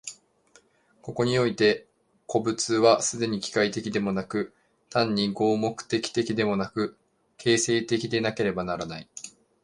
ここにおいて個物は既に機械的でもなく、単に合目的的でもなく、形成的でなければならない。